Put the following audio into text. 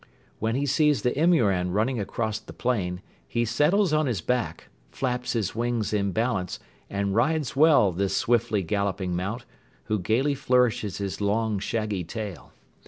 When he sees the imouran running across the plain, he settles on his back, flaps his wings in balance and rides well this swiftly galloping mount, who gaily flourishes his long shaggy tail.